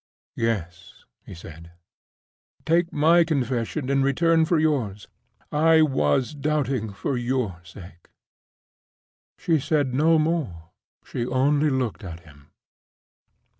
_ "Yes," he said. "Take my confession in return for yours—I was doubting for your sake." She said no more; she only looked at him.